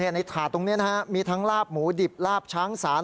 ถาดตรงนี้มีทั้งลาบหมูดิบลาบช้างสาร